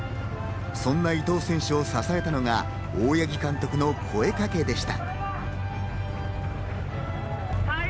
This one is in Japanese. そんな伊藤選手を支えたのが大八木監督の声かけでした。